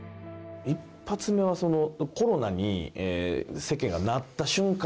１発目はコロナに世間がなった瞬間